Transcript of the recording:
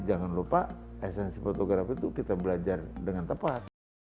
jangan lupa esensi fotografi itu kita belajar dengan tepat